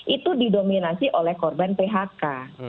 itu didominasi oleh korban phk